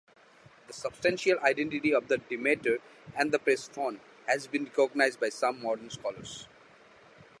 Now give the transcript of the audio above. The substantial identity of Demeter and Persephone has been recognized by some modern scholars.